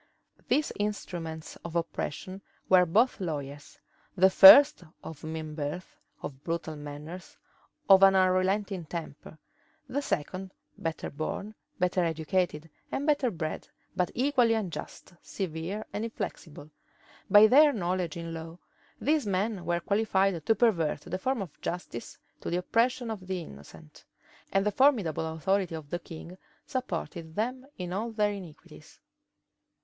These instruments of oppression were both lawyers; the first of mean birth, of brutal manners, of an unrelenting temper; the second better born, better educated, and better bred, but equally unjust, severe, and inflexible. By their knowledge in law, these men were qualified to pervert the forms of justice to the oppression of the innocent; and the formidable authority of the king supported them in all their iniquities.